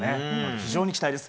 非常に期待です。